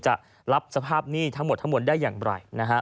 จะรับสภาพที่นี่ทั้งหมดได้อย่างไร